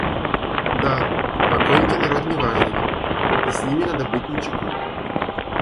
Да, покойники народ неважный, и с ними надо быть начеку.